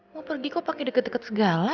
mau pergi kok pakai deket deket segala